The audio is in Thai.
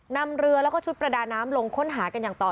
นำเรือแล้วก็ชุดประดาน้ำลงค้นหากันอย่างต่อ